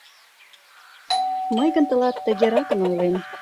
Мый гын тылат тыгеракын ойлем: